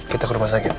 kita ke rumah sakit